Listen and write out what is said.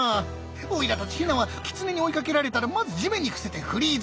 オイラたちヒナはキツネに追いかけられたらまず地面に伏せてフリーズ。